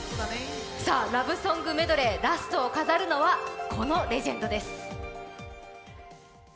さあ、ラブソングメドレーラストを飾るのはこのレジェンドです。